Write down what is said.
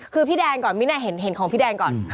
คือพี่แดงก่อนมิ้นเห็นของพี่แดงก่อน